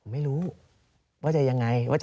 ไม่รู้ว่าจะยังไง